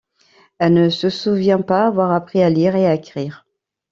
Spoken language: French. Elle ne se souvient pas avoir appris à lire et à écrire.